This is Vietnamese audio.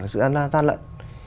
sự gian lận